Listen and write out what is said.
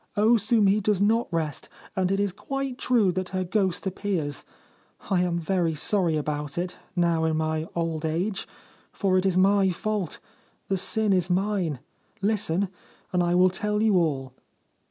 O Sumi does not rest, and it is quite true that her ghost appears. I am very sorry about it, now in my old age ; for it is my fault — the sin is mine. Listen and I will tell you all.'